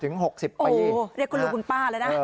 เรียกคุณลุงคุณป้าแล้วนะ